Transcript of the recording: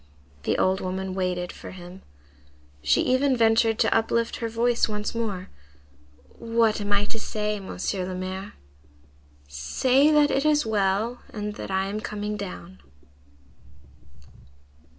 The old woman waited for him. She even ventured to uplift her voice once more:— "What am I to say, Monsieur le Maire?" "Say that it is well, and that I am coming down."